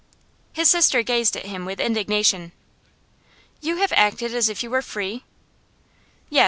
His sister gazed at him with indignation. 'You have acted as if you were free?' 'Yes.